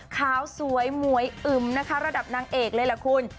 ขาวสวยหมวยอึมนะคะระดับนางเอกเลยล่ะคุณ